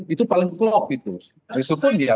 itu paling klok itu meskipun ya